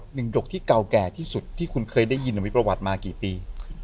ดกที่เก่าแก่ที่สุดที่คุณเคยได้ยินมีประวัติมากี่ปี